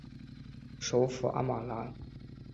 首府阿马拉。